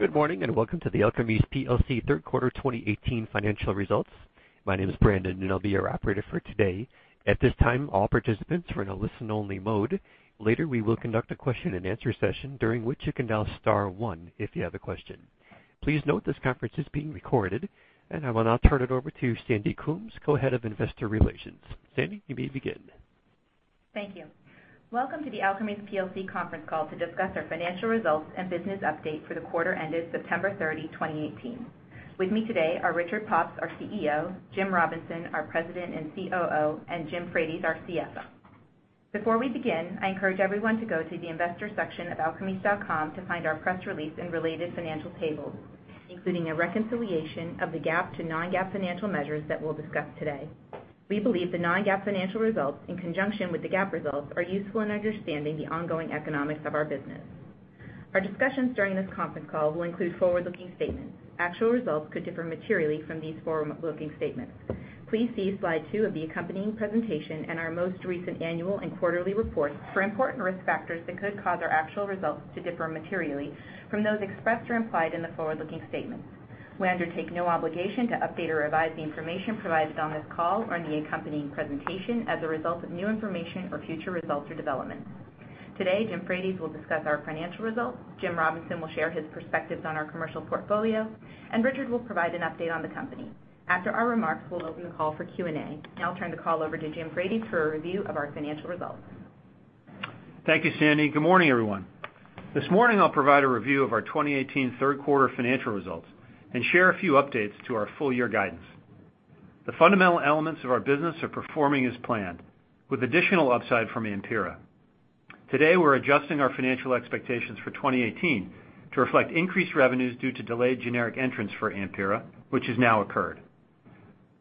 Good morning. Welcome to the Alkermes PLC third quarter 2018 financial results. My name is Brandon, and I'll be your operator for today. At this time, all participants are in a listen-only mode. Later, we will conduct a question and answer session during which you can dial star one if you have a question. Please note this conference is being recorded. I will now turn it over to Sandra Coombs, co-head of investor relations. Sandy, you may begin. Thank you. Welcome to the Alkermes PLC conference call to discuss our financial results and business update for the quarter ended September 30, 2018. With me today are Richard Pops, our CEO, James Robinson, our President and COO, and James Frates, our CFO. Before we begin, I encourage everyone to go to the Investors section of alkermes.com to find our press release and related financial tables, including a reconciliation of the GAAP to non-GAAP financial measures that we'll discuss today. We believe the non-GAAP financial results, in conjunction with the GAAP results, are useful in understanding the ongoing economics of our business. Our discussions during this conference call will include forward-looking statements. Actual results could differ materially from these forward-looking statements. Please see slide two of the accompanying presentation and our most recent annual and quarterly reports for important risk factors that could cause our actual results to differ materially from those expressed or implied in the forward-looking statements. We undertake no obligation to update or revise the information provided on this call or in the accompanying presentation as a result of new information or future results or developments. Today, James Frates will discuss our financial results. James Robinson will share his perspectives on our commercial portfolio, and Richard will provide an update on the company. After our remarks, we'll open the call for Q&A. I'll turn the call over to James Frates for a review of our financial results. Thank you, Sandy. Good morning, everyone. This morning, I'll provide a review of our 2018 third quarter financial results and share a few updates to our full-year guidance. The fundamental elements of our business are performing as planned, with additional upside from AMPYRA. Today, we're adjusting our financial expectations for 2018 to reflect increased revenues due to delayed generic entrants for AMPYRA, which has now occurred.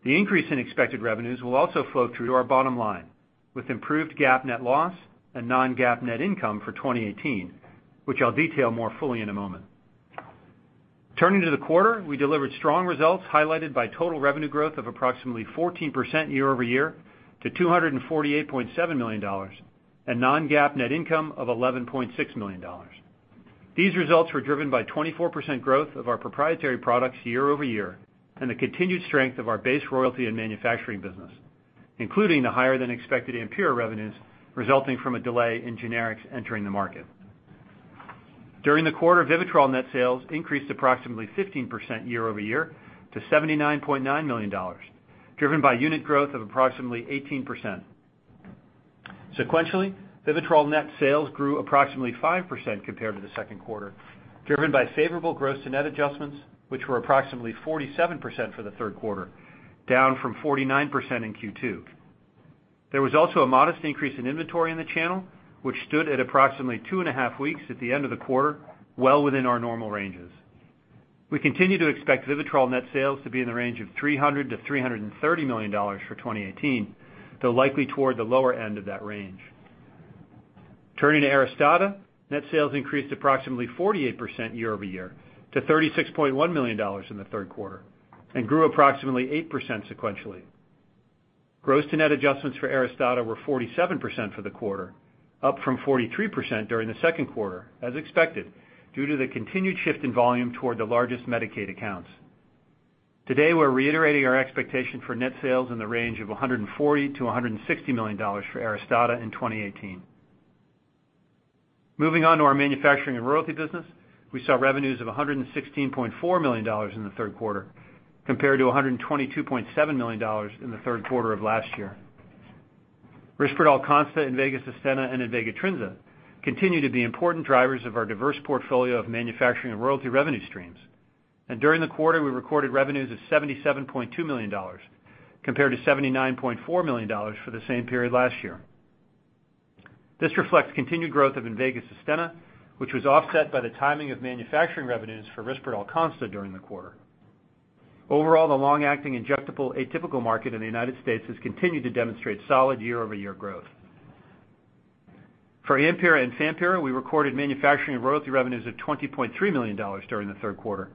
The increase in expected revenues will also flow through to our bottom line with improved GAAP net loss and non-GAAP net income for 2018, which I'll detail more fully in a moment. Turning to the quarter, we delivered strong results highlighted by total revenue growth of approximately 14% year-over-year to $248.7 million and non-GAAP net income of $11.6 million. These results were driven by 24% growth of our proprietary products year-over-year and the continued strength of our base royalty and manufacturing business, including the higher than expected AMPYRA revenues resulting from a delay in generics entering the market. During the quarter, VIVITROL net sales increased approximately 15% year-over-year to $79.9 million, driven by unit growth of approximately 18%. Sequentially, VIVITROL net sales grew approximately 5% compared to the second quarter, driven by favorable gross to net adjustments, which were approximately 47% for the third quarter, down from 49% in Q2. There was also a modest increase in inventory in the channel, which stood at approximately two and a half weeks at the end of the quarter, well within our normal ranges. We continue to expect VIVITROL net sales to be in the range of $300 million-$330 million for 2018, though likely toward the lower end of that range. Turning to ARISTADA, net sales increased approximately 48% year-over-year to $36.1 million in the third quarter and grew approximately 8% sequentially. Gross to net adjustments for ARISTADA were 47% for the quarter, up from 43% during the second quarter, as expected, due to the continued shift in volume toward the largest Medicaid accounts. Today, we're reiterating our expectation for net sales in the range of $140 million-$160 million for ARISTADA in 2018. Moving on to our manufacturing and royalty business. We saw revenues of $116.4 million in the third quarter compared to $122.7 million in the third quarter of last year. RISPERDAL CONSTA, INVEGA SUSTENNA, and INVEGA TRINZA continue to be important drivers of our diverse portfolio of manufacturing and royalty revenue streams. During the quarter, we recorded revenues of $77.2 million compared to $79.4 million for the same period last year. This reflects continued growth of INVEGA SUSTENNA, which was offset by the timing of manufacturing revenues for RISPERDAL CONSTA during the quarter. Overall, the long-acting injectable atypical market in the U.S. has continued to demonstrate solid year-over-year growth. For AMPYRA and FAMPYRA, we recorded manufacturing royalty revenues of $20.3 million during the third quarter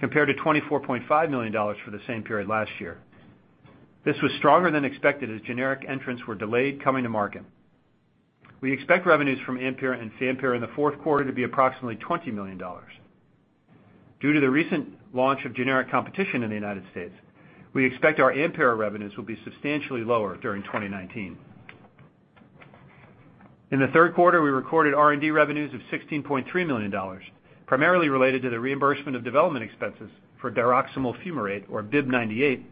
compared to $24.5 million for the same period last year. This was stronger than expected as generic entrants were delayed coming to market. We expect revenues from AMPYRA and FAMPYRA in the fourth quarter to be approximately $20 million. Due to the recent launch of generic competition in the U.S., we expect our AMPYRA revenues will be substantially lower during 2019. In the third quarter, we recorded R&D revenues of $16.3 million, primarily related to the reimbursement of development expenses for diroximel fumarate, or BIIB098,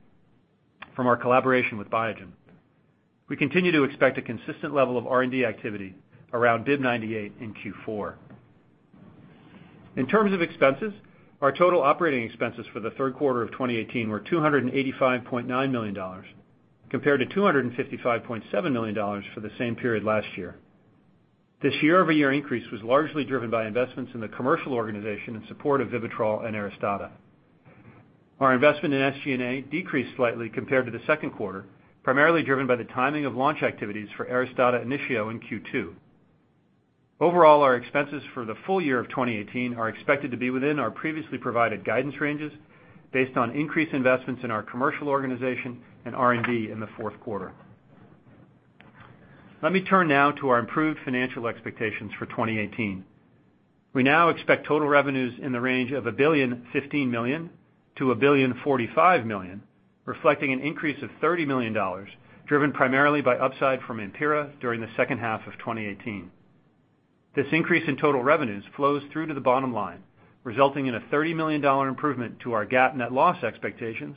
from our collaboration with Biogen. We continue to expect a consistent level of R&D activity around BIIB098 in Q4. In terms of expenses, our total operating expenses for the third quarter of 2018 were $285.9 million compared to $255.7 million for the same period last year. This year-over-year increase was largely driven by investments in the commercial organization in support of VIVITROL and ARISTADA. Our investment in SG&A decreased slightly compared to the second quarter, primarily driven by the timing of launch activities for ARISTADA INITIO in Q2. Overall, our expenses for the full year of 2018 are expected to be within our previously provided guidance ranges based on increased investments in our commercial organization and R&D in the fourth quarter. Let me turn now to our improved financial expectations for 2018. We now expect total revenues in the range of $1,015 million-$1,045 million, reflecting an increase of $30 million, driven primarily by upside from AMPYRA during the second half of 2018. This increase in total revenues flows through to the bottom line, resulting in a $30 million improvement to our GAAP net loss expectations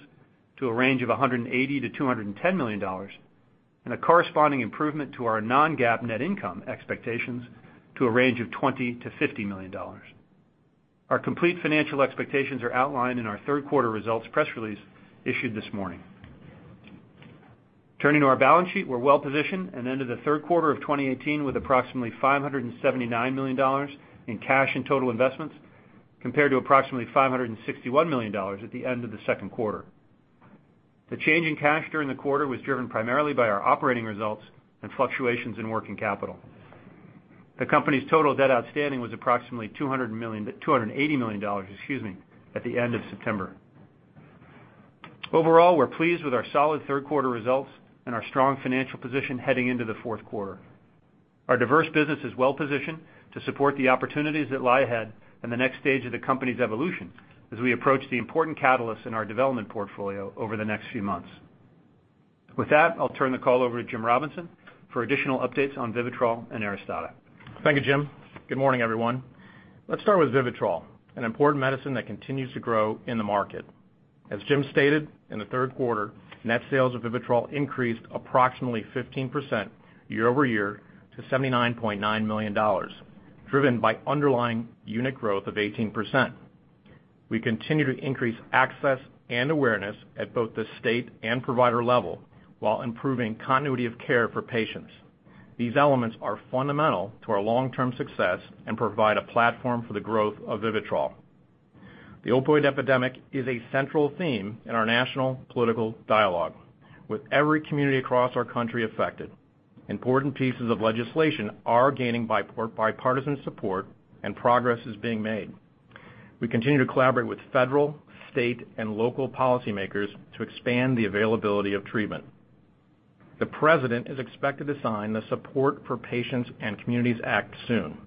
to a range of $180 million-$210 million, and a corresponding improvement to our non-GAAP net income expectations to a range of $20 million-$50 million. Our complete financial expectations are outlined in our third quarter results press release issued this morning. Turning to our balance sheet, we are well-positioned and ended the third quarter of 2018 with approximately $579 million in cash and total investments, compared to approximately $561 million at the end of the second quarter. The change in cash during the quarter was driven primarily by our operating results and fluctuations in working capital. The company's total debt outstanding was approximately $280 million at the end of September. Overall, we are pleased with our solid third quarter results and our strong financial position heading into the fourth quarter. Our diverse business is well-positioned to support the opportunities that lie ahead in the next stage of the company's evolution as we approach the important catalysts in our development portfolio over the next few months. With that, I will turn the call over to James Robinson for additional updates on VIVITROL and ARISTADA. Thank you, Jim. Good morning, everyone. Let's start with VIVITROL, an important medicine that continues to grow in the market. As Jim stated, in the third quarter, net sales of VIVITROL increased approximately 15% year-over-year to $79.9 million, driven by underlying unit growth of 18%. We continue to increase access and awareness at both the state and provider level while improving continuity of care for patients. These elements are fundamental to our long-term success and provide a platform for the growth of VIVITROL. The opioid epidemic is a central theme in our national political dialogue, with every community across our country affected. Important pieces of legislation are gaining bipartisan support, and progress is being made. We continue to collaborate with federal, state, and local policymakers to expand the availability of treatment. The President is expected to sign the SUPPORT for Patients and Communities Act soon.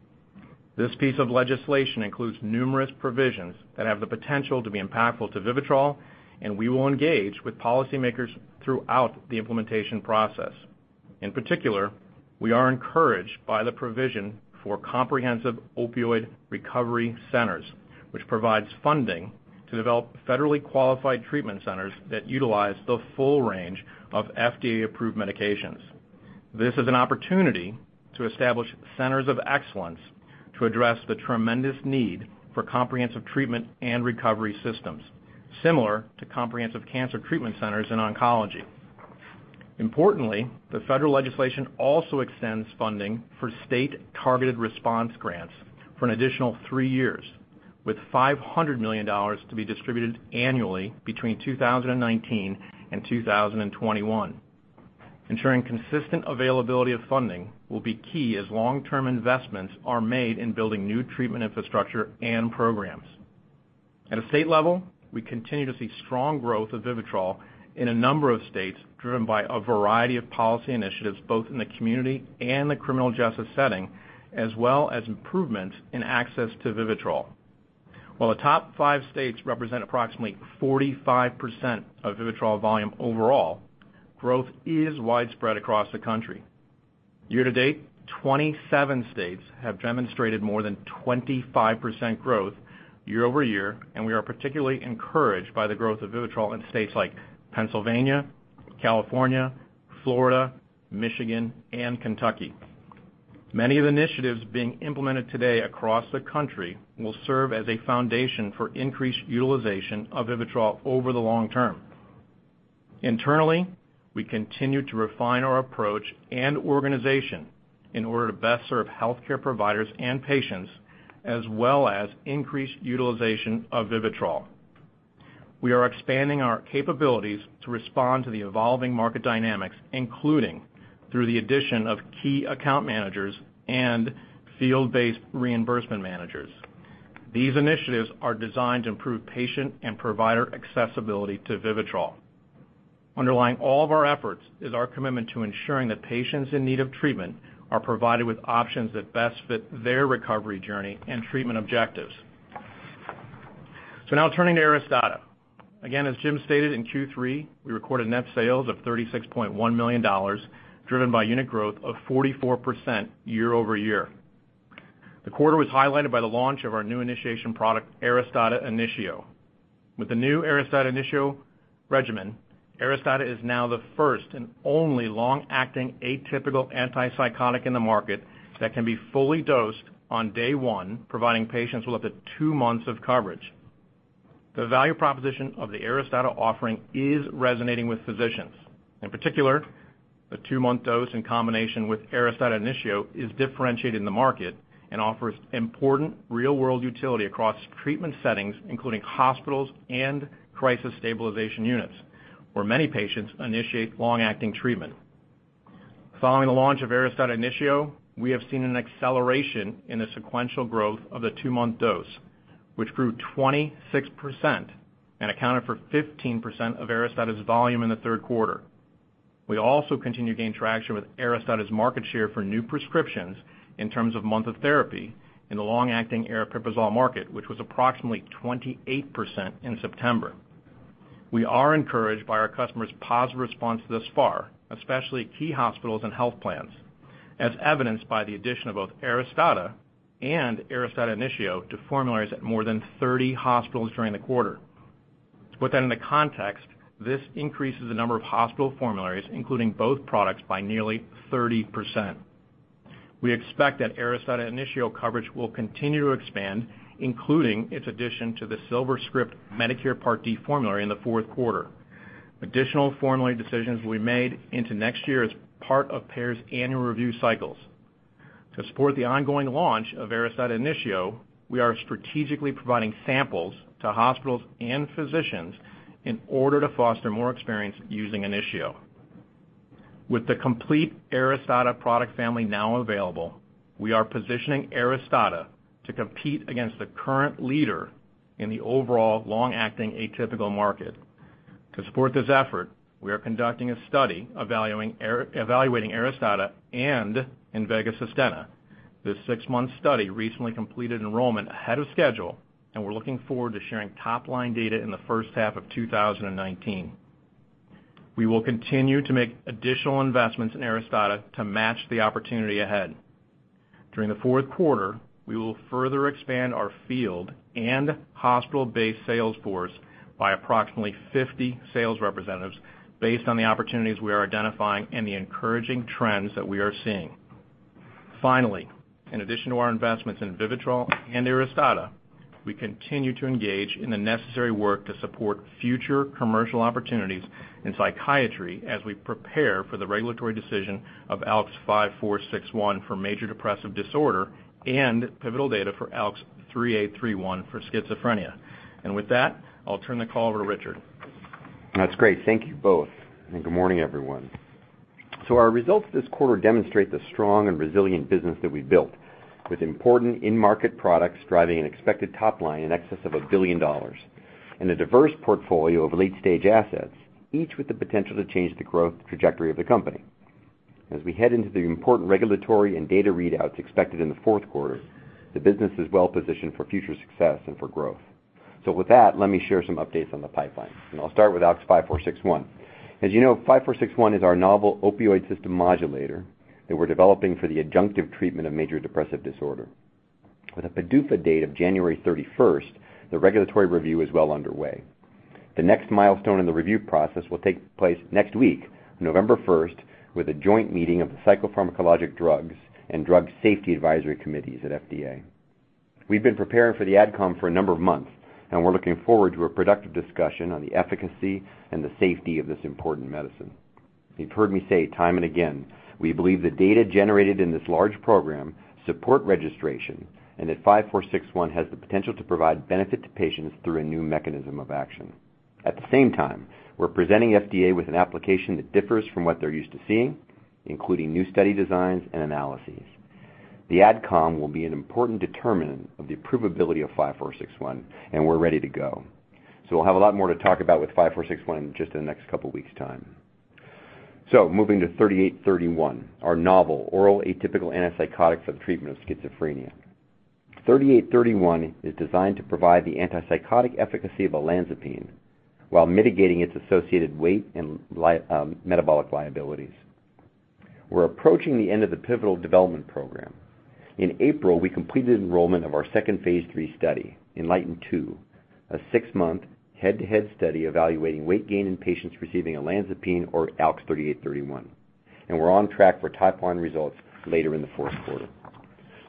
This piece of legislation includes numerous provisions that have the potential to be impactful to VIVITROL, and we will engage with policymakers throughout the implementation process. In particular, we are encouraged by the provision for comprehensive opioid recovery centers, which provides funding to develop federally qualified treatment centers that utilize the full range of FDA-approved medications. This is an opportunity to establish centers of excellence to address the tremendous need for comprehensive treatment and recovery systems, similar to comprehensive cancer treatment centers in oncology. Importantly, the federal legislation also extends funding for state-targeted response grants for an additional three years, with $500 million to be distributed annually between 2019 and 2021. Ensuring consistent availability of funding will be key as long-term investments are made in building new treatment infrastructure and programs. At a state level, we continue to see strong growth of VIVITROL in a number of states, driven by a variety of policy initiatives, both in the community and the criminal justice setting, as well as improvements in access to VIVITROL. While the top five states represent approximately 45% of VIVITROL volume overall, growth is widespread across the country. Year to date, 27 states have demonstrated more than 25% growth year-over-year, and we are particularly encouraged by the growth of VIVITROL in states like Pennsylvania, California, Florida, Michigan, and Kentucky. Many of the initiatives being implemented today across the country will serve as a foundation for increased utilization of VIVITROL over the long term. Internally, we continue to refine our approach and organization in order to best serve healthcare providers and patients, as well as increased utilization of VIVITROL. We are expanding our capabilities to respond to the evolving market dynamics, including through the addition of key account managers and field-based reimbursement managers. These initiatives are designed to improve patient and provider accessibility to VIVITROL. Underlying all of our efforts is our commitment to ensuring that patients in need of treatment are provided with options that best fit their recovery journey and treatment objectives. Now turning to ARISTADA. Again, as Jim stated, in Q3, we recorded net sales of $36.1 million, driven by unit growth of 44% year-over-year. The quarter was highlighted by the launch of our new initiation product, ARISTADA INITIO. With the new ARISTADA INITIO regimen, ARISTADA is now the first and only long-acting atypical antipsychotic in the market that can be fully dosed on day one, providing patients with up to two months of coverage. The value proposition of the ARISTADA offering is resonating with physicians. In particular, the two-month dose in combination with ARISTADA INITIO is differentiated in the market and offers important real-world utility across treatment settings, including hospitals and crisis stabilization units, where many patients initiate long-acting treatment. Following the launch of ARISTADA INITIO, we have seen an acceleration in the sequential growth of the two-month dose which grew 26% and accounted for 15% of ARISTADA's volume in the third quarter. We also continue to gain traction with ARISTADA's market share for new prescriptions in terms of month of therapy in the long-acting aripiprazole market, which was approximately 28% in September. We are encouraged by our customers' positive response thus far, especially key hospitals and health plans, as evidenced by the addition of both ARISTADA and ARISTADA INITIO to formularies at more than 30 hospitals during the quarter. To put that into context, this increases the number of hospital formularies, including both products by nearly 30%. We expect that ARISTADA INITIO coverage will continue to expand, including its addition to the SilverScript Medicare Part D formulary in the fourth quarter. Additional formulary decisions will be made into next year as part of payers' annual review cycles. To support the ongoing launch of ARISTADA INITIO, we are strategically providing samples to hospitals and physicians in order to foster more experience using INITIO. With the complete ARISTADA product family now available, we are positioning ARISTADA to compete against the current leader in the overall long-acting atypical market. To support this effort, we are conducting a study evaluating ARISTADA and INVEGA SUSTENNA. This six-month study recently completed enrollment ahead of schedule, and we are looking forward to sharing top-line data in the first half of 2019. We will continue to make additional investments in ARISTADA to match the opportunity ahead. During the fourth quarter, we will further expand our field and hospital-based sales force by approximately 50 sales representatives based on the opportunities we are identifying and the encouraging trends that we are seeing. Finally, in addition to our investments in VIVITROL and ARISTADA, we continue to engage in the necessary work to support future commercial opportunities in psychiatry as we prepare for the regulatory decision of ALKS 5461 for major depressive disorder and pivotal data for ALKS 3831 for schizophrenia. With that, I'll turn the call over to Richard. That's great. Thank you both, and good morning, everyone. Our results this quarter demonstrate the strong and resilient business that we built, with important in-market products driving an expected top line in excess of $1 billion and a diverse portfolio of late-stage assets, each with the potential to change the growth trajectory of the company. As we head into the important regulatory and data readouts expected in the fourth quarter, the business is well positioned for future success and for growth. With that, let me share some updates on the pipeline, and I'll start with ALKS 5461. As you know, 5461 is our novel opioid system modulator that we're developing for the adjunctive treatment of major depressive disorder. With a PDUFA date of January 31st, the regulatory review is well underway. The next milestone in the review process will take place next week, on November 1st, with a joint meeting of the Psychopharmacologic Drugs and Drug Safety Advisory Committees at FDA. We've been preparing for the AdCom for a number of months. We're looking forward to a productive discussion on the efficacy and the safety of this important medicine. You've heard me say time and again, we believe the data generated in this large program support registration and that 5461 has the potential to provide benefit to patients through a new mechanism of action. At the same time, we're presenting FDA with an application that differs from what they're used to seeing, including new study designs and analyses. The AdCom will be an important determinant of the approvability of 5461. We're ready to go. We'll have a lot more to talk about with 5461 in just the next couple of weeks' time. Moving to 3831, our novel oral atypical antipsychotic for the treatment of schizophrenia. 3831 is designed to provide the antipsychotic efficacy of olanzapine while mitigating its associated weight and metabolic liabilities. We're approaching the end of the pivotal development program. In April, we completed enrollment of our second phase III study, ENLIGHTEN-2, a six-month head-to-head study evaluating weight gain in patients receiving olanzapine or ALKS 3831. We're on track for top-line results later in the fourth quarter.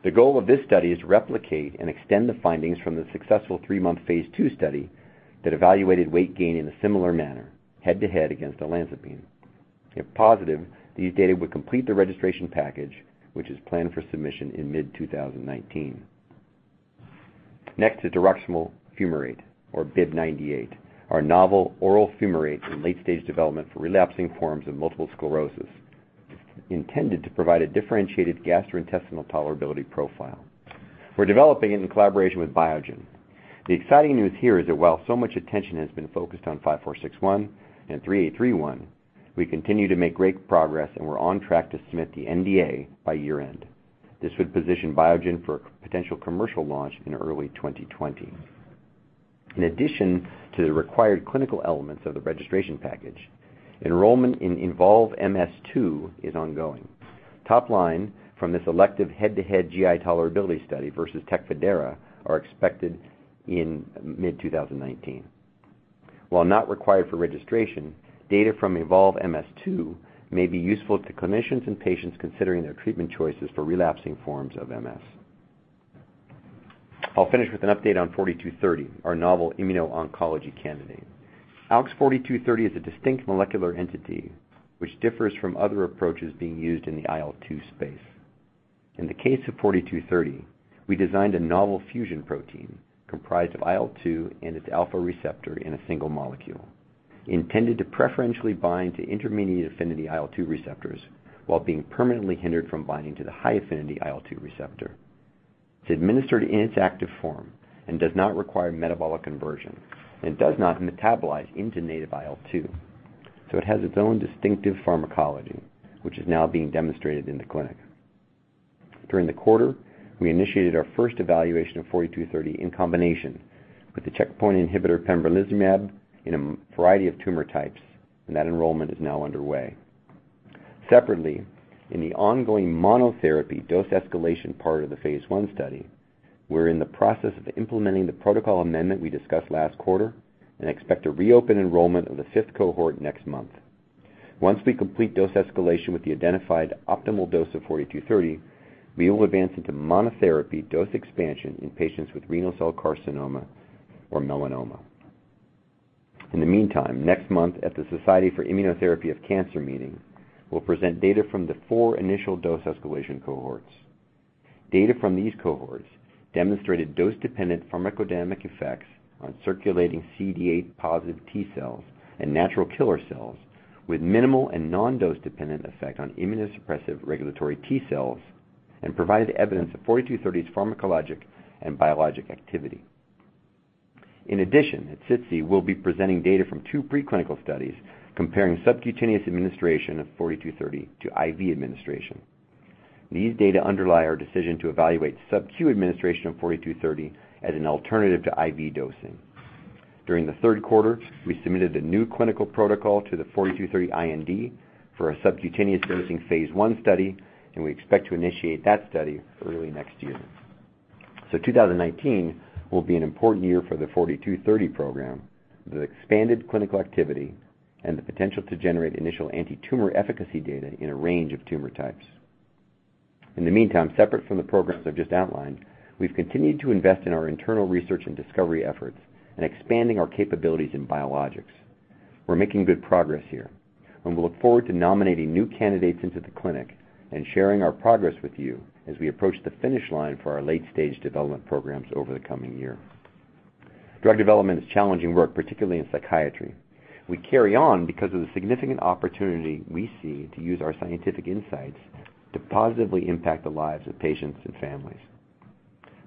The goal of this study is to replicate and extend the findings from the successful three-month phase II study that evaluated weight gain in a similar manner, head-to-head against olanzapine. If positive, these data would complete the registration package, which is planned for submission in mid-2019. Next is diroximel fumarate or BIIB098, our novel oral fumarate in late-stage development for relapsing forms of multiple sclerosis, intended to provide a differentiated gastrointestinal tolerability profile. We're developing it in collaboration with Biogen. The exciting news here is that while so much attention has been focused on 5461 and 3831, we continue to make great progress, and we're on track to submit the NDA by year-end. This would position Biogen for a potential commercial launch in early 2020. In addition to the required clinical elements of the registration package, enrollment in EVOLVE-MS-2 is ongoing. Top-line from this elective head-to-head GI tolerability study versus TECFIDERA are expected in mid-2019. While not required for registration, data from EVOLVE-MS-2 may be useful to clinicians and patients considering their treatment choices for relapsing forms of MS. I'll finish with an update on 4230, our novel immuno-oncology candidate. ALKS 4230 is a distinct molecular entity, which differs from other approaches being used in the IL-2 space. In the case of 4230, we designed a novel fusion protein comprised of IL-2 and its alpha receptor in a single molecule. Intended to preferentially bind to intermediate affinity IL-2 receptors while being permanently hindered from binding to the high-affinity IL-2 receptor. It's administered in its active form and does not require metabolic conversion and does not metabolize into native IL-2. It has its own distinctive pharmacology, which is now being demonstrated in the clinic. During the quarter, we initiated our first evaluation of 4230 in combination with the checkpoint inhibitor pembrolizumab in a variety of tumor types. That enrollment is now underway. Separately, in the ongoing monotherapy dose escalation part of the phase I study, we're in the process of implementing the protocol amendment we discussed last quarter and expect to reopen enrollment of the fifth cohort next month. Once we complete dose escalation with the identified optimal dose of 4230, we will advance into monotherapy dose expansion in patients with renal cell carcinoma or melanoma. In the meantime, next month at the Society for Immunotherapy of Cancer meeting, we'll present data from the four initial dose escalation cohorts. Data from these cohorts demonstrated dose-dependent pharmacodynamic effects on circulating CD8 positive T cells and natural killer cells with minimal and non-dose dependent effect on immunosuppressive regulatory T cells and provided evidence of 4230's pharmacologic and biologic activity. In addition, at SITC, we'll be presenting data from two preclinical studies comparing subcutaneous administration of 4230 to IV administration. These data underlie our decision to evaluate sub-Q administration of 4230 as an alternative to IV dosing. During the third quarter, we submitted the new clinical protocol to the 4230 IND for a subcutaneous dosing phase I study, and we expect to initiate that study early next year. 2019 will be an important year for the 4230 program with expanded clinical activity and the potential to generate initial antitumor efficacy data in a range of tumor types. In the meantime, separate from the programs I've just outlined, we've continued to invest in our internal research and discovery efforts and expanding our capabilities in biologics. We're making good progress here, and we look forward to nominating new candidates into the clinic and sharing our progress with you as we approach the finish line for our late-stage development programs over the coming year. Drug development is challenging work, particularly in psychiatry. We carry on because of the significant opportunity we see to use our scientific insights to positively impact the lives of patients and families.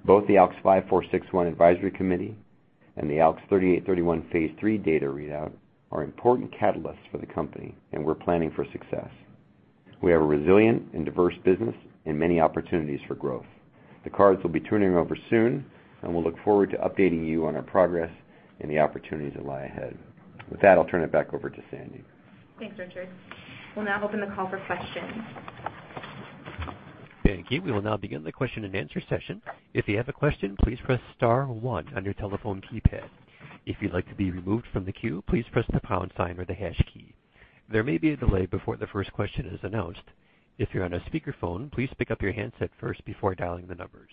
Both the ALKS 5461 Advisory Committee and the ALKS 3831 phase III data readout are important catalysts for the company, and we're planning for success. We have a resilient and diverse business and many opportunities for growth. The cards will be turning over soon, and we'll look forward to updating you on our progress and the opportunities that lie ahead. With that, I'll turn it back over to Sandy. Thanks, Richard. We'll now open the call for questions. Thank you. We will now begin the question and answer session. If you have a question, please press star one on your telephone keypad. If you'd like to be removed from the queue, please press the pound sign or the hash key. There may be a delay before the first question is announced. If you're on a speakerphone, please pick up your handset first before dialing the numbers.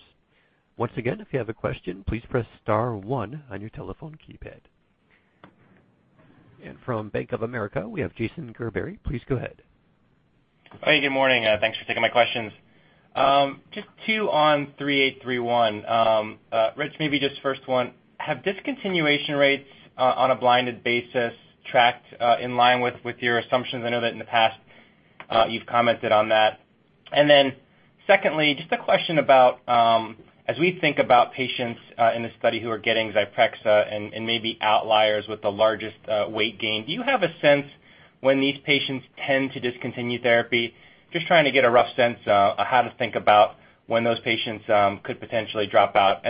Once again, if you have a question, please press star one on your telephone keypad. From Bank of America, we have Jason Gerberry. Please go ahead. Good morning. Thanks for taking my questions. Just two on 3831. Rich, maybe just first one, have discontinuation rates on a blinded basis tracked in line with your assumptions? I know that in the past you've commented on that. Secondly, just a question about as we think about patients in this study who are getting Zyprexa and maybe outliers with the largest weight gain, do you have a sense when these patients tend to discontinue therapy? Just trying to get a rough sense of how to think about when those patients could potentially drop out.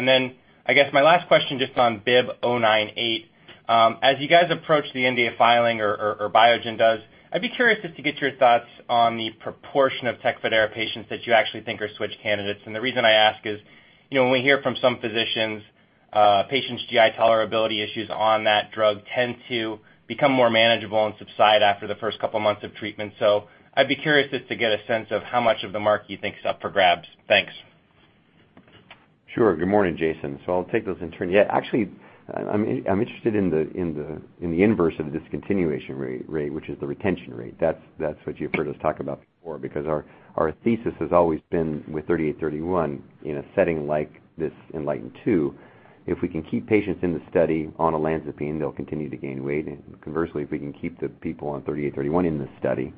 I guess my last question, just on BIIB098. As you guys approach the NDA filing or Biogen does, I'd be curious just to get your thoughts on the proportion of TECFIDERA patients that you actually think are switch candidates. The reason I ask is when we hear from some physicians, patients' GI tolerability issues on that drug tend to become more manageable and subside after the first couple of months of treatment. I'd be curious just to get a sense of how much of the market you think is up for grabs. Thanks. Sure. Good morning, Jason. I'll take those in turn. Yeah, actually, I'm interested in the inverse of the discontinuation rate, which is the retention rate. That's what you've heard us talk about before, because our thesis has always been with ALKS 3831 in a setting like this ENLIGHTEN-2, if we can keep patients in the study on olanzapine, they'll continue to gain weight, and conversely, if we can keep the people on ALKS 3831 in the study,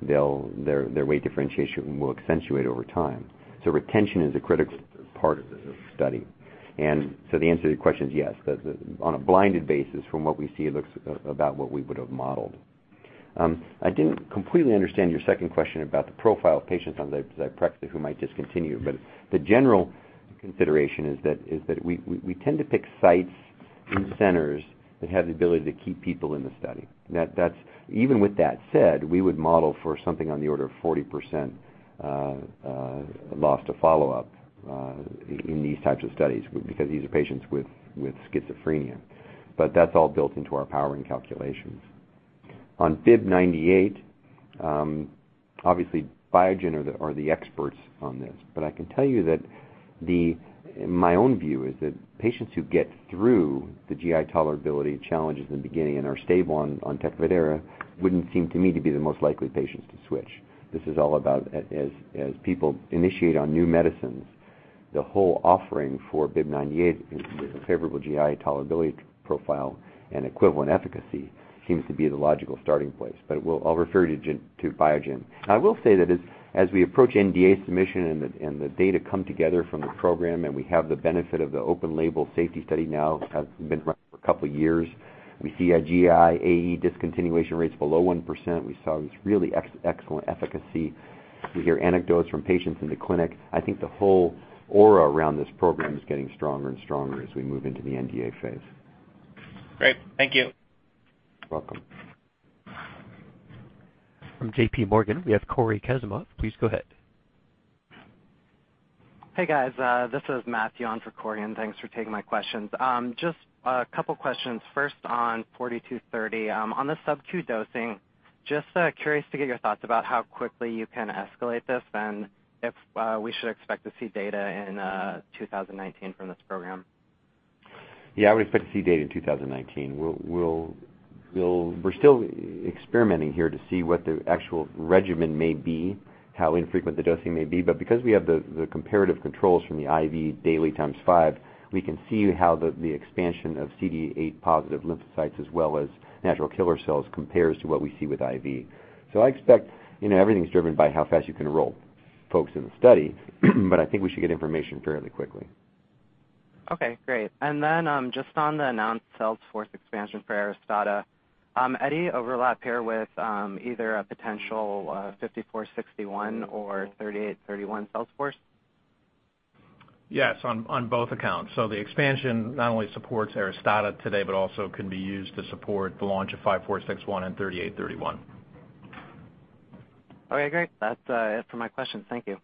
their weight differentiation will accentuate over time. Retention is a critical part of this study. The answer to your question is yes, on a blinded basis from what we see, it looks about what we would have modeled. I didn't completely understand your second question about the profile of patients on Zyprexa who might discontinue, the general consideration is that we tend to pick sites and centers that have the ability to keep people in the study. Even with that said, we would model for something on the order of 40% loss to follow-up in these types of studies because these are patients with schizophrenia. That's all built into our powering calculations. On BIIB098, obviously Biogen are the experts on this, I can tell you that my own view is that patients who get through the GI tolerability challenges in the beginning and are stable on TECFIDERA wouldn't seem to me to be the most likely patients to switch. This is all about as people initiate on new medicines. The whole offering for BIIB098 with a favorable GI tolerability profile and equivalent efficacy seems to be the logical starting place. I'll refer you to Biogen. I will say that as we approach NDA submission and the data come together from the program, and we have the benefit of the open label safety study now, has been running for a couple of years. We see a GI AE discontinuation rates below 1%. We saw this really excellent efficacy. We hear anecdotes from patients in the clinic. I think the whole aura around this program is getting stronger and stronger as we move into the NDA phase. Great. Thank you. You're welcome. From JPMorgan, we have Cory Kasimov. Please go ahead. Hey, guys. This is Matthew on for Cory, thanks for taking my questions. Just a couple questions. First on 4230, on the subq dosing, just curious to get your thoughts about how quickly you can escalate this, if we should expect to see data in 2019 from this program. Yeah, I would expect to see data in 2019. We're still experimenting here to see what the actual regimen may be, how infrequent the dosing may be. Because we have the comparative controls from the IV daily times five, we can see how the expansion of CD8 positive lymphocytes as well as natural killer cells compares to what we see with IV. I expect, everything's driven by how fast you can enroll folks in the study, but I think we should get information fairly quickly. Okay, great. Then, just on the announced sales force expansion for ARISTADA. Any, overlap here with either a potential 5461 or 3831 sales force? Yes, on both accounts. The expansion not only supports ARISTADA today, but also can be used to support the launch of 5461 and 3831. Okay, great. That's it for my questions. Thank you.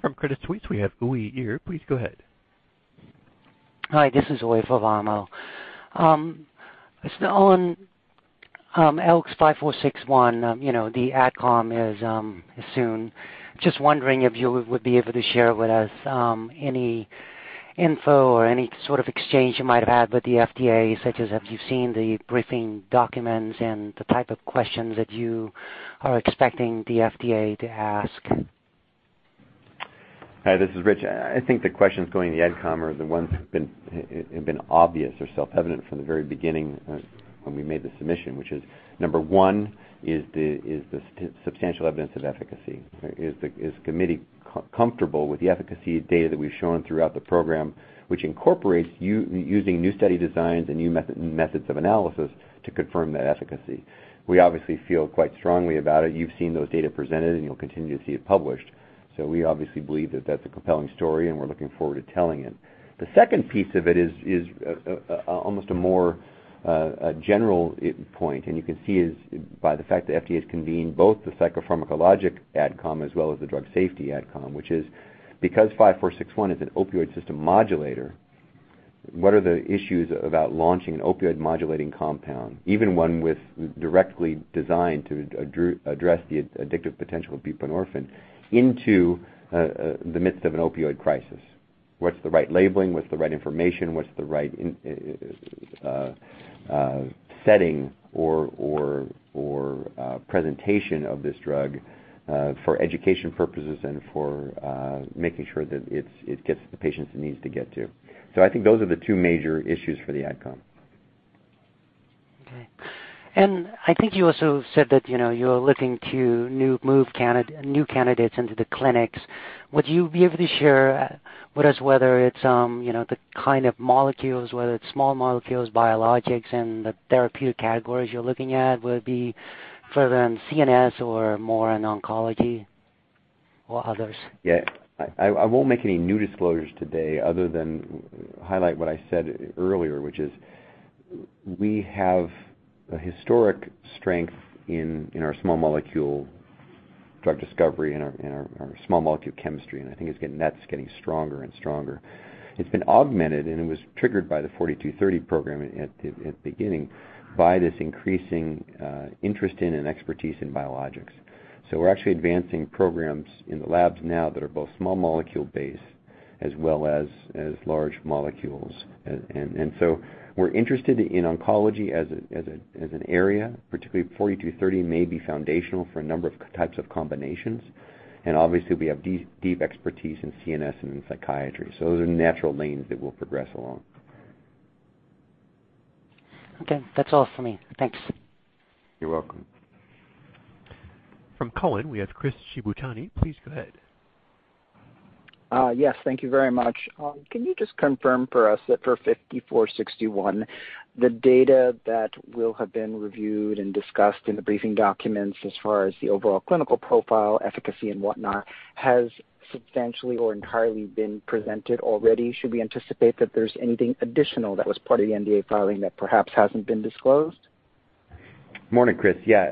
From Credit Suisse, we have Uy Ear. Please go ahead. Hi, this is Uy Ear. On ALKS 5461, the AdCom is soon. Just wondering if you would be able to share with us any info or any sort of exchange you might have had with the FDA, such as have you seen the briefing documents and the type of questions that you are expecting the FDA to ask? Hi, this is Rich. I think the questions going to the AdCom are the ones that have been obvious or self-evident from the very beginning when we made the submission, which is number one is the substantial evidence of efficacy. Is the committee comfortable with the efficacy data that we've shown throughout the program, which incorporates using new study designs and new methods of analysis to confirm that efficacy? We obviously feel quite strongly about it. You've seen those data presented, and you'll continue to see it published. We obviously believe that that's a compelling story, and we're looking forward to telling it. The second piece of it is almost a more general point, and you can see is by the fact the FDA's convened both the Psychopharmacologic AdCom as well as the Drug Safety AdCom, which is because 5461 is an opioid system modulator, what are the issues about launching an opioid modulating compound, even one directly designed to address the addictive potential of buprenorphine into the midst of an opioid crisis? What's the right labeling? What's the right information? What's the right setting or presentation of this drug for education purposes and for making sure that it gets to the patients it needs to get to. I think those are the two major issues for the AdCom. Okay. I think you also said that you're looking to move new candidates into the clinics. Would you be able to share with us whether it's the kind of molecules, whether it's small molecules, biologics, and the therapeutic categories you're looking at, whether it be further in CNS or more in oncology or others? Yeah. I won't make any new disclosures today other than highlight what I said earlier, which is we have a historic strength in our small molecule drug discovery, in our small molecule chemistry, and I think that's getting stronger and stronger. It's been augmented, and it was triggered by the 4230 program at the beginning by this increasing interest in and expertise in biologics. We're actually advancing programs in the labs now that are both small molecule based as well as large molecules. We're interested in oncology as an area, particularly 4230 may be foundational for a number of types of combinations. Obviously we have deep expertise in CNS and in psychiatry. Those are natural lanes that we'll progress along. Okay, that's all for me. Thanks. You're welcome. From Cowen, we have Chris Shibutani. Please go ahead. Thank you very much. Can you just confirm for us that for 5461, the data that will have been reviewed and discussed in the briefing documents as far as the overall clinical profile, efficacy, and whatnot, has substantially or entirely been presented already? Should we anticipate that there's anything additional that was part of the NDA filing that perhaps hasn't been disclosed? Morning, Chris. Yeah.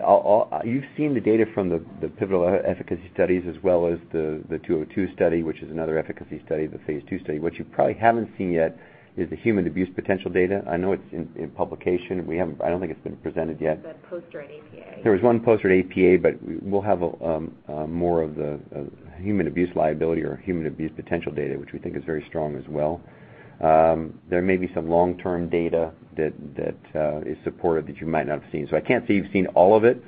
You've seen the data from the pivotal efficacy studies as well as the 202 study, which is another efficacy study, the phase II study. What you probably haven't seen yet is the human abuse potential data. I know it's in publication. I don't think it's been presented yet. There was a poster at APA. There was one poster at APA. We'll have more of the human abuse liability or human abuse potential data, which we think is very strong as well. There may be some long-term data that is supported that you might not have seen. I can't say you've seen all of it,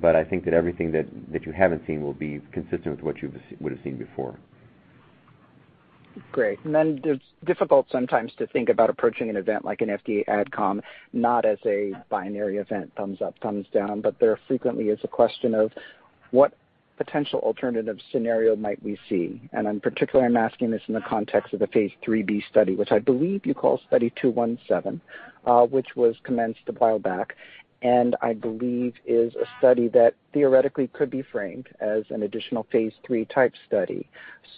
but I think that everything that you haven't seen will be consistent with what you would have seen before. Great. It's difficult sometimes to think about approaching an event like an FDA AdCom, not as a binary event, thumbs up, thumbs down, but there frequently is a question of what potential alternative scenario might we see. In particular, I'm asking this in the context of the phase III-B study, which I believe you call Study 217, which was commenced a while back, and I believe is a study that theoretically could be framed as an additional phase III type study.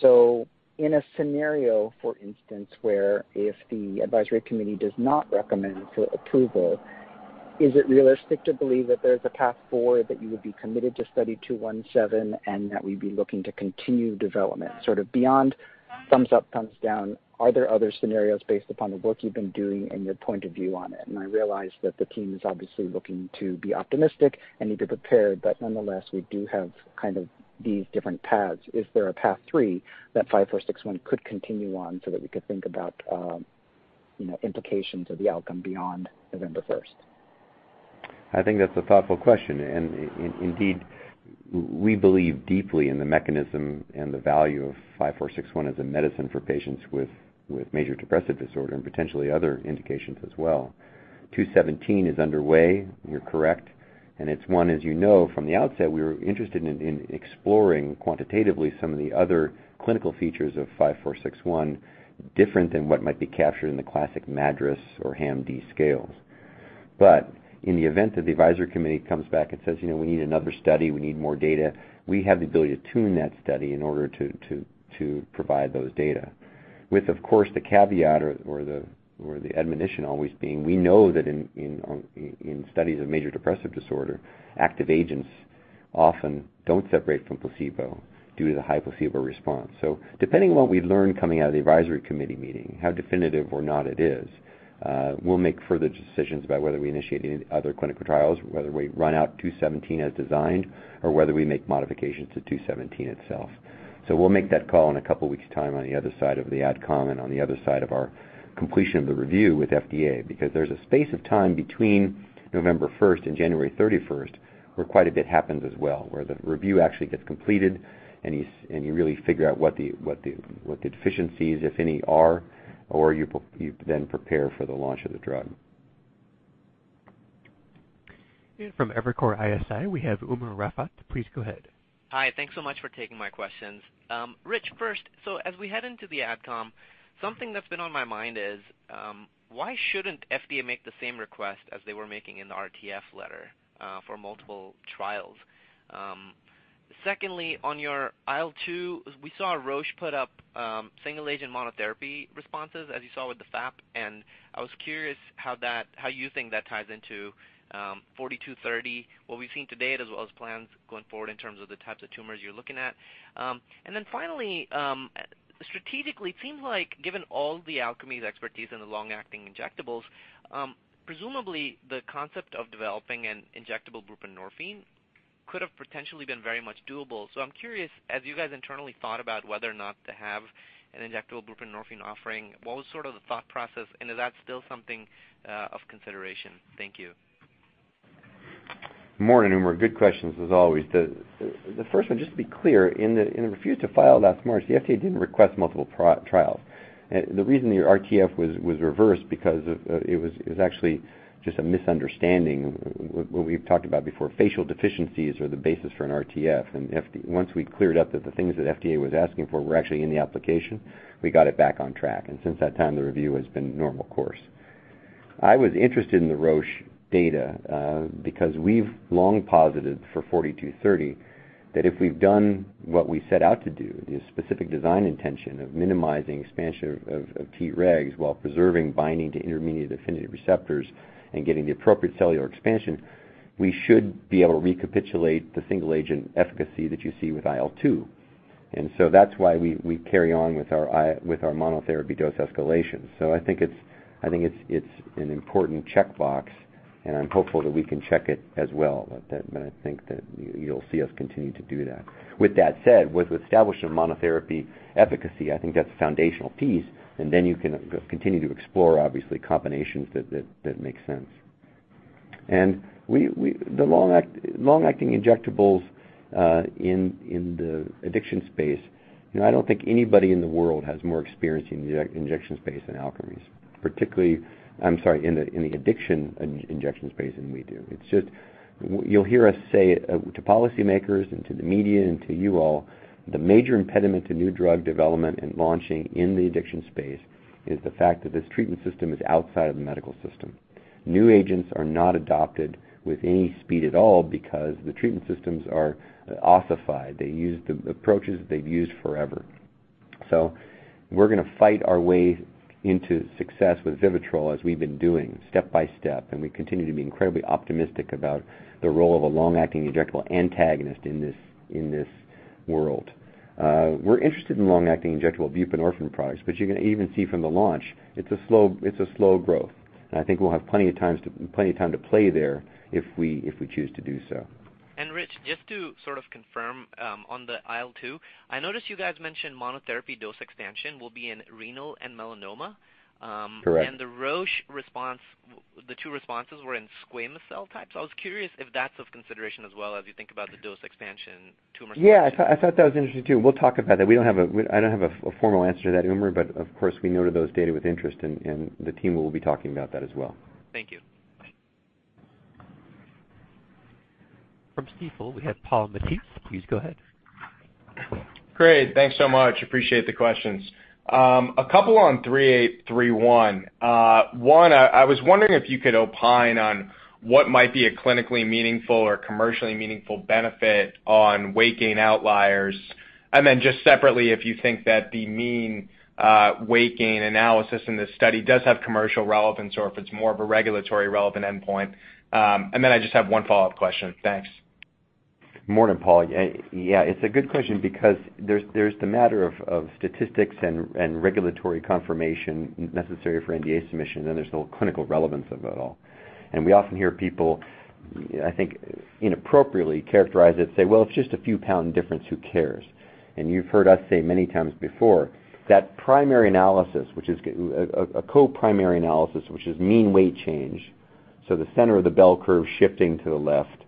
In a scenario, for instance, where if the advisory committee does not recommend for approval, is it realistic to believe that there's a path forward that you would be committed to Study 217 and that we'd be looking to continue development, sort of beyond thumbs up, thumbs down? Are there other scenarios based upon the work you've been doing and your point of view on it? I realize that the team is obviously looking to be optimistic and need to prepare, but nonetheless, we do have kind of these different paths. Is there a path three that 5461 could continue on so that we could think about implications of the outcome beyond November 1st? I think that's a thoughtful question. Indeed, we believe deeply in the mechanism and the value of 5461 as a medicine for patients with major depressive disorder and potentially other indications as well. 217 is underway, you're correct. It's one, as you know, from the outset, we were interested in exploring quantitatively some of the other clinical features of 5461 different than what might be captured in the classic MADRS or HAM-D scales. In the event that the advisory committee comes back and says, "We need another study, we need more data," we have the ability to tune that study in order to provide those data. With, of course, the caveat or the admonition always being, we know that in studies of major depressive disorder, active agents often don't separate from placebo due to the high placebo response. Depending on what we learn coming out of the advisory committee meeting, how definitive or not it is, we'll make further decisions about whether we initiate any other clinical trials, whether we run out 217 as designed, or whether we make modifications to 217 itself. We'll make that call in a couple weeks' time on the other side of the AdCom and on the other side of our completion of the review with FDA, because there's a space of time between November 1st and January 31st where quite a bit happens as well, where the review actually gets completed, and you really figure out what the deficiencies, if any, are, or you then prepare for the launch of the drug. From Evercore ISI, we have Umer Raffat. Please go ahead. Hi. Thanks so much for taking my questions. Rich, first, as we head into the AdCom, something that's been on my mind is, why shouldn't FDA make the same request as they were making in the RTF letter for multiple trials? Secondly, on your IL-2, we saw Roche put up single agent monotherapy responses, as you saw with the FAP, and I was curious how you think that ties into 4230, what we've seen to date, as well as plans going forward in terms of the types of tumors you're looking at. Then finally, strategically, it seems like given all the Alkermes expertise in the long-acting injectables, presumably the concept of developing an injectable buprenorphine could have potentially been very much doable. I'm curious, as you guys internally thought about whether or not to have an injectable buprenorphine offering, what was sort of the thought process, and is that still something of consideration? Thank you. Morning, Umer. Good questions as always. The first one, just to be clear, in the refuse to file last March, the FDA didn't request multiple trials. The reason your RTF was reversed because it was actually just a misunderstanding. What we've talked about before, facial deficiencies are the basis for an RTF. Once we cleared up that the things that FDA was asking for were actually in the application, we got it back on track, and since that time, the review has been normal course. I was interested in the Roche data, because we've long posited for 4230 that if we've done what we set out to do, the specific design intention of minimizing expansion of Tregs while preserving binding to intermediate affinity receptors and getting the appropriate cellular expansion, we should be able to recapitulate the single agent efficacy that you see with IL-2. That's why we carry on with our monotherapy dose escalation. I think it's an important checkbox, and I'm hopeful that we can check it as well, but I think that you'll see us continue to do that. With that said, with establishing monotherapy efficacy, I think that's a foundational piece, and then you can continue to explore, obviously, combinations that make sense. The long-acting injectables in the addiction space, I don't think anybody in the world has more experience in the injection space than Alkermes. I'm sorry, in the addiction injection space than we do. You'll hear us say to policymakers and to the media and to you all, the major impediment to new drug development and launching in the addiction space is the fact that this treatment system is outside of the medical system. New agents are not adopted with any speed at all because the treatment systems are ossified. They use the approaches they've used forever. We're going to fight our way into success with VIVITROL as we've been doing step by step, and we continue to be incredibly optimistic about the role of a long-acting injectable antagonist in this world. We're interested in long-acting injectable buprenorphine products, but you can even see from the launch, it's a slow growth. I think we'll have plenty of time to play there if we choose to do so. Rich, just to sort of confirm on the IL-2, I noticed you guys mentioned monotherapy dose expansion will be in renal and melanoma. Correct. The Roche response The two responses were in squamous cell types. I was curious if that's of consideration as well as you think about the dose expansion tumor response. Yeah, I thought that was interesting too. We'll talk about that. I don't have a formal answer to that, Umer, but of course, we noted those data with interest, and the team will be talking about that as well. Thank you. From Stifel, we have Paul Matteis. Please go ahead. Great. Thanks much. Appreciate the questions. A couple on 3831. One, I was wondering if you could opine on what might be a clinically meaningful or commercially meaningful benefit on weight gain outliers. Just separately, if you think that the mean weight gain analysis in this study does have commercial relevance or if it's more of a regulatory relevant endpoint. I just have one follow-up question. Thanks. Morning, Paul. It's a good question because there's the matter of statistics and regulatory confirmation necessary for NDA submission. There's the whole clinical relevance of it all. We often hear people, I think, inappropriately characterize it, say, "Well, it's just a few pound difference, who cares?" You've heard us say many times before that primary analysis, a co-primary analysis, which is mean weight change, so the center of the bell curve shifting to the left,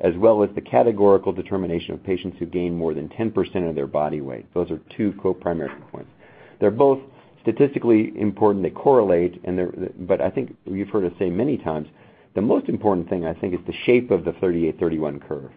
as well as the categorical determination of patients who gain more than 10% of their body weight. Those are two co-primary points. They're both statistically important. They correlate. I think you've heard us say many times, the most important thing I think is the shape of the 3831 curve.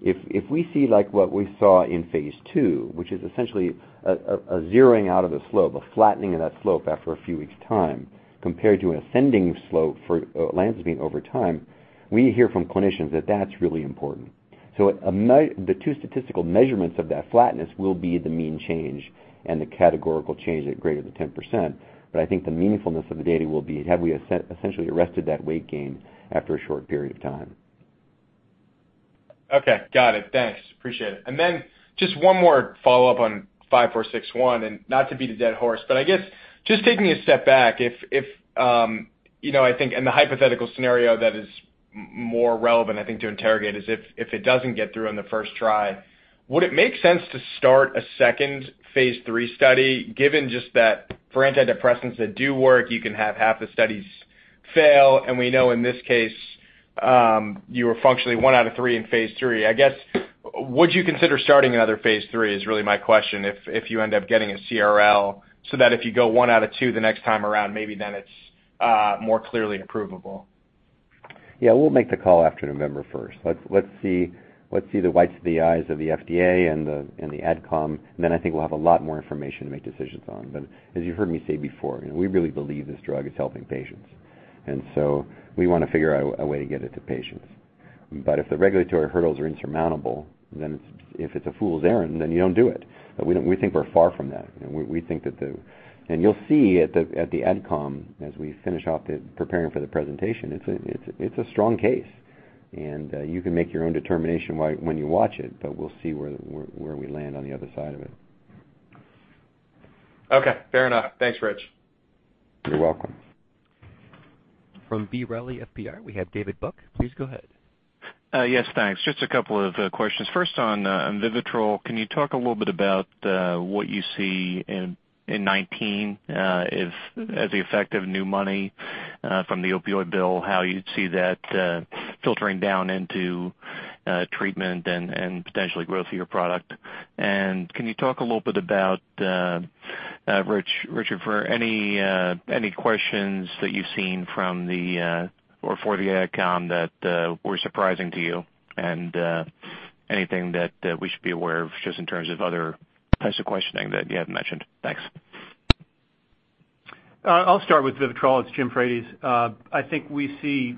If we see what we saw in phase II, which is essentially a zeroing out of the slope, a flattening of that slope after a few weeks' time, compared to an ascending slope for olanzapine over time, we hear from clinicians that that's really important. The two statistical measurements of that flatness will be the mean change and the categorical change at greater than 10%. I think the meaningfulness of the data will be have we essentially arrested that weight gain after a short period of time. Okay. Got it. Thanks. Appreciate it. Just one more follow-up on ALKS 5461, not to beat a dead horse, but I guess just taking a step back, I think in the hypothetical scenario that is more relevant, I think, to interrogate is if it doesn't get through on the first try, would it make sense to start a second phase III study, given just that for antidepressants that do work, you can have half the studies fail, and we know in this case, you were functionally 1 out of 3 in phase III. I guess, would you consider starting another phase III is really my question, if you end up getting a CRL so that if you go 1 out of 2 the next time around, maybe then it's more clearly approvable. Yeah. We'll make the call after November 1st. Let's see the whites of the eyes of the FDA and the AdCom. I think we'll have a lot more information to make decisions on. As you've heard me say before, we really believe this drug is helping patients. We want to figure out a way to get it to patients. If the regulatory hurdles are insurmountable, then if it's a fool's errand, then you don't do it. We think we're far from that. You'll see at the AdCom, as we finish off preparing for the presentation, it's a strong case. You can make your own determination when you watch it, but we'll see where we land on the other side of it. Okay. Fair enough. Thanks, Rich. You're welcome. From B. Riley FBR, we have David Buck. Please go ahead. Yes, thanks. Just a couple of questions. First on VIVITROL, can you talk a little bit about what you see in 2019 as the effect of new money from the opioid bill, how you see that filtering down into treatment and potentially growth of your product? Can you talk a little bit about, Richard, for any questions that you've seen for the AdCom that were surprising to you and anything that we should be aware of just in terms of other types of questioning that you haven't mentioned? Thanks. I'll start with VIVITROL. It's Jim Frates. I think we see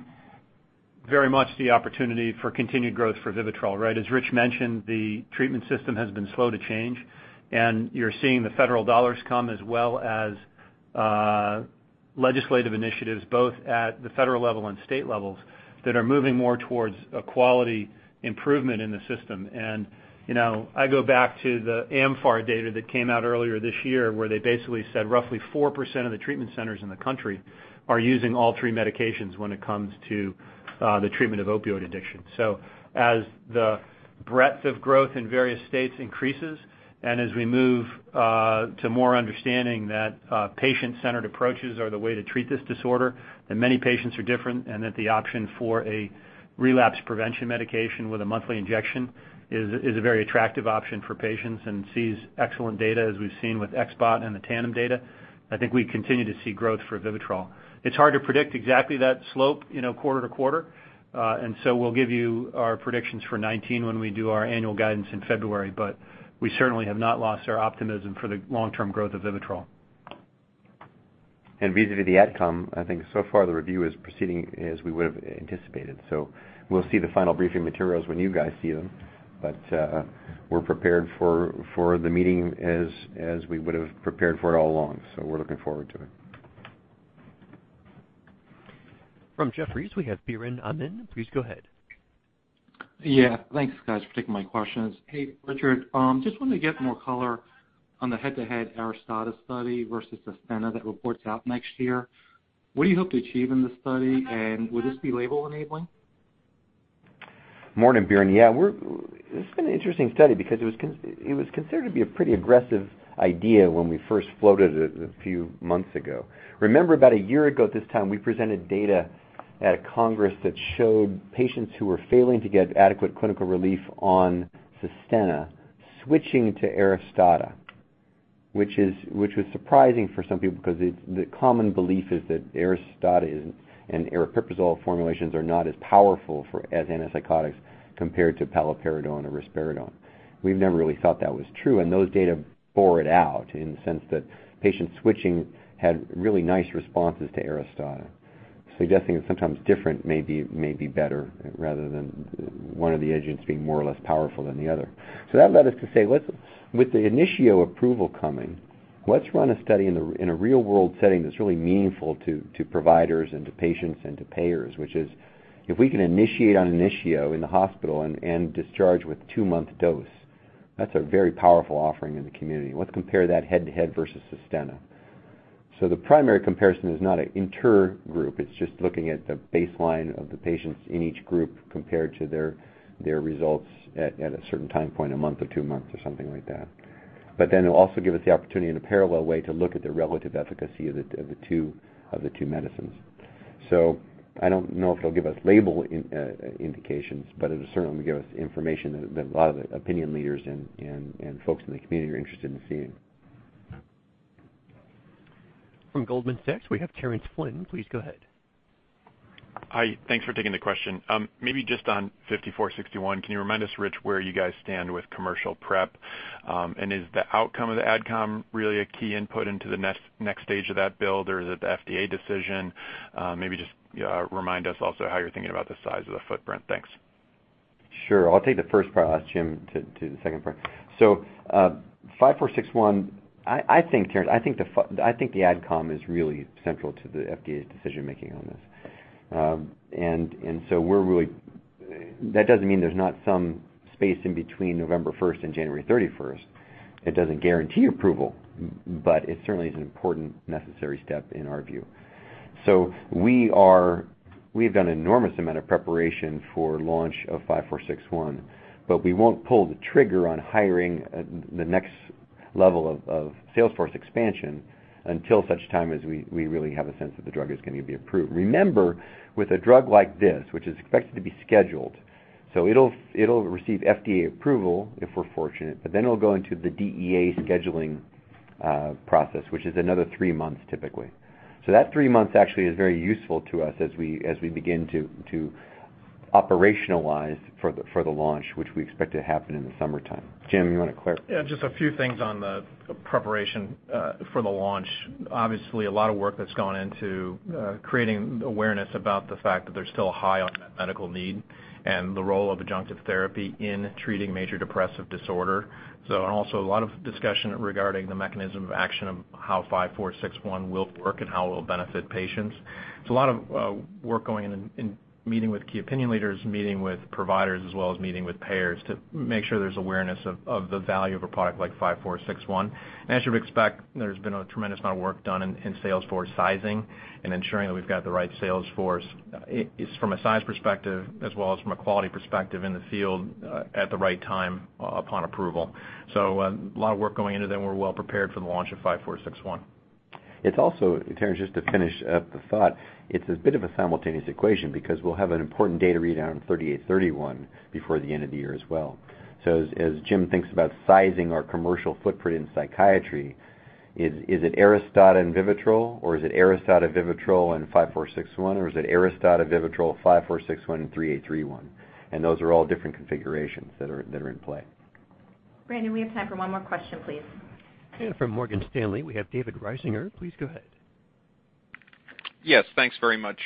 very much the opportunity for continued growth for VIVITROL, right? As Rich mentioned, the treatment system has been slow to change. You're seeing the federal dollars come as well as legislative initiatives, both at the federal level and state levels that are moving more towards a quality improvement in the system. I go back to the amfAR data that came out earlier this year where they basically said roughly 4% of the treatment centers in the country are using all three medications when it comes to the treatment of opioid addiction. As the breadth of growth in various states increases, as we move to more understanding that patient-centered approaches are the way to treat this disorder, that many patients are different, and that the option for a relapse prevention medication with a monthly injection is a very attractive option for patients and sees excellent data as we've seen with X-BOT and the Tanum data. I think we continue to see growth for VIVITROL. It's hard to predict exactly that slope quarter-to-quarter. We'll give you our predictions for 2019 when we do our annual guidance in February, but we certainly have not lost our optimism for the long-term growth of VIVITROL. Vis-à-vis the AdCom, I think so far the review is proceeding as we would've anticipated. We'll see the final briefing materials when you guys see them. We're prepared for the meeting as we would've prepared for it all along. We're looking forward to it. From Jefferies, we have Biren Amin. Please go ahead. Yeah. Thanks, guys, for taking my questions. Hey, Richard, just wanted to get more color on the head-to-head ARISTADA study versus Sustenna that reports out next year. What do you hope to achieve in this study, and will this be label enabling? Morning, Biren. Yeah, it's been an interesting study because it was considered to be a pretty aggressive idea when we first floated it a few months ago. Remember, about a year ago at this time, we presented data at a congress that showed patients who were failing to get adequate clinical relief on Sustenna switching to Aristada, which was surprising for some people because the common belief is that Aristada and aripiprazole formulations are not as powerful as antipsychotics compared to paliperidone or risperidone. We've never really thought that was true, and those data bore it out in the sense that patients switching had really nice responses to Aristada, suggesting that sometimes different may be better, rather than one of the agents being more or less powerful than the other. That led us to say, with the Initio approval coming, let's run a study in a real-world setting that's really meaningful to providers, and to patients, and to payers, which is if we can initiate on Initio in the hospital and discharge with a two-month dose, that's a very powerful offering in the community. Let's compare that head-to-head versus Sustenna. The primary comparison is not an inter-group. It's just looking at the baseline of the patients in each group compared to their results at a certain time point, a month or two months or something like that. It'll also give us the opportunity in a parallel way to look at the relative efficacy of the two medicines. I don't know if it'll give us label indications, but it'll certainly give us information that a lot of opinion leaders and folks in the community are interested in seeing. From Goldman Sachs, we have Terence Flynn. Please go ahead. Hi. Thanks for taking the question. Maybe just on 5461, can you remind us, Rich, where you guys stand with commercial prep, and is the outcome of the AdCom really a key input into the next stage of that build, or is it the FDA decision? Maybe just remind us also how you're thinking about the size of the footprint. Thanks. Sure. I'll take the first part, ask Jim to do the second part. 5461, Terence, I think the AdCom is really central to the FDA's decision-making on this. That doesn't mean there's not some space in between November 1st and January 31st. It doesn't guarantee approval, but it certainly is an important necessary step in our view. We have done an enormous amount of preparation for launch of 5461, but we won't pull the trigger on hiring the next level of Salesforce expansion until such time as we really have a sense that the drug is going to be approved. Remember, with a drug like this, which is expected to be scheduled, it'll receive FDA approval if we're fortunate, but then it'll go into the DEA scheduling process, which is another three months typically. That three months actually is very useful to us as we begin to operationalize for the launch, which we expect to happen in the summertime. Jim, you want to clarify? Yeah, just a few things on the preparation for the launch. Obviously, a lot of work that's gone into creating awareness about the fact that there's still a high unmet medical need and the role of adjunctive therapy in treating major depressive disorder. Also a lot of discussion regarding the mechanism of action of how 5461 will work and how it will benefit patients. A lot of work going in meeting with key opinion leaders, meeting with providers, as well as meeting with payers to make sure there's awareness of the value of a product like 5461. As you would expect, there's been a tremendous amount of work done in Salesforce sizing and ensuring that we've got the right sales force from a size perspective as well as from a quality perspective in the field at the right time upon approval. A lot of work going into that, and we're well prepared for the launch of 5461. Terence, just to finish up the thought, it's a bit of a simultaneous equation because we'll have an important data read out on 3831 before the end of the year as well. So as Jim thinks about sizing our commercial footprint in psychiatry, is it ARISTADA and VIVITROL, or is it ARISTADA, VIVITROL, and 5461, or is it ARISTADA, VIVITROL, 5461, and 3831? And those are all different configurations that are in play. Brandon, we have time for one more question, please. From Morgan Stanley, we have David Risinger. Please go ahead. Thanks very much.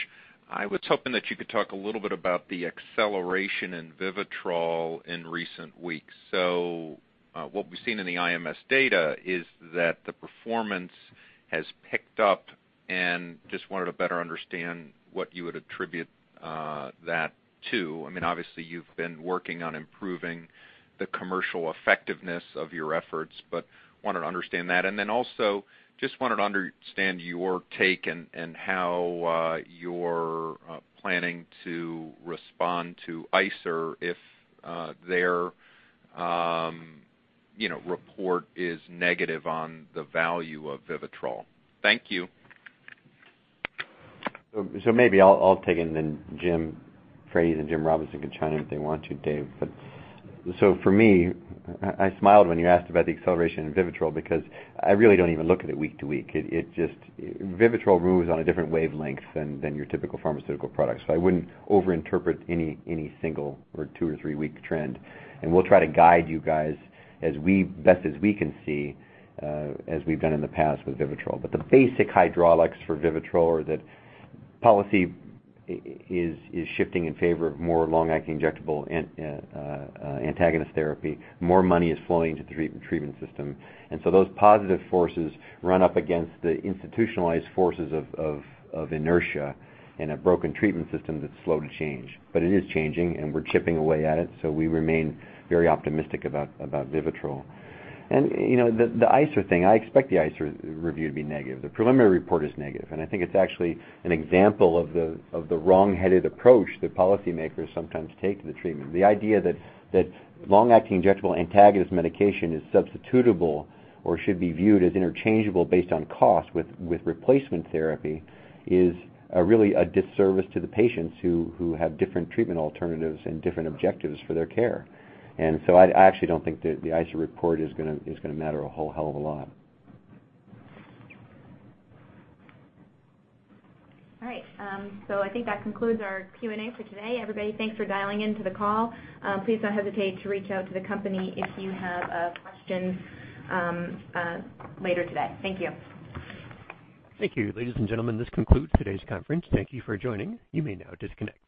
I was hoping that you could talk a little bit about the acceleration in VIVITROL in recent weeks. So what we've seen in the IMS data is that the performance has picked up and just wanted to better understand what you would attribute that to. Obviously, you've been working on improving the commercial effectiveness of your efforts, but wanted to understand that. And also just wanted to understand your take and how you're planning to respond to ICER if their report is negative on the value of VIVITROL. Thank you. Maybe I'll take it and then Jim Frates and Jim Robinson can chime in if they want to, Dave. For me, I smiled when you asked about the acceleration in VIVITROL because I really don't even look at it week to week. VIVITROL moves on a different wavelength than your typical pharmaceutical product. I wouldn't overinterpret any single or two- or three-week trend, and we'll try to guide you guys as best as we can see, as we've done in the past with VIVITROL. The basic hydraulics for VIVITROL are that policy is shifting in favor of more long-acting injectable antagonist therapy. More money is flowing into the treatment system, those positive forces run up against the institutionalized forces of inertia in a broken treatment system that's slow to change. It is changing, and we're chipping away at it, we remain very optimistic about VIVITROL. The ICER thing, I expect the ICER review to be negative. The preliminary report is negative, I think it's actually an example of the wrong-headed approach that policymakers sometimes take to the treatment. The idea that long-acting injectable antagonist medication is substitutable or should be viewed as interchangeable based on cost with replacement therapy is really a disservice to the patients who have different treatment alternatives and different objectives for their care. I actually don't think that the ICER report is going to matter a whole hell of a lot. All right. I think that concludes our Q&A for today. Everybody, thanks for dialing into the call. Please don't hesitate to reach out to the company if you have a question later today. Thank you. Thank you. Ladies and gentlemen, this concludes today's conference. Thank you for joining. You may now disconnect.